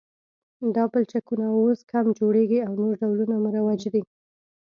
دا پلچکونه اوس کم جوړیږي او نور ډولونه مروج دي